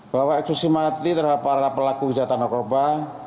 bahwa eksklusimati terhadap para pelaku kejahatan narkoba